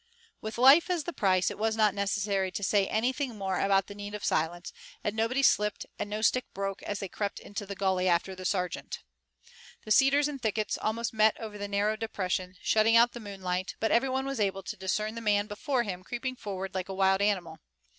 With life as the price it was not necessary to say anything more about the need of silence, and nobody slipped and no stick broke as they crept into the gully after the sergeant. The cedars and thickets almost met over the narrow depression, shutting out the moonlight, but every one was able to discern the man before him creeping forward like a wild animal.